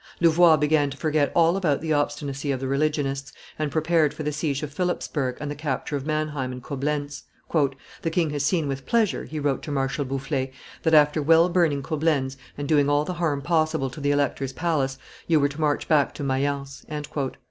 Louvois began to forget all about the obstinacy of the religionists, and prepared for the siege of Philipsburg and the capture of Manheim and Coblentz. "The king has seen with pleasure," he wrote to Marshal Boufflers, "that, after well burning Coblentz, and doing all the harm possible to the elector's palace, you were to march back to Mayence."